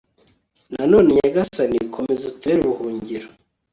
nanone nyagasani komeza utubere ubuhungiro